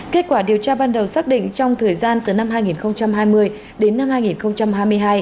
kết quả điều tra ban đầu xác định trong thời gian từ năm hai nghìn hai mươi đến năm hai nghìn hai mươi hai